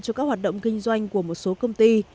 cho các hoạt động kinh doanh của một số công ty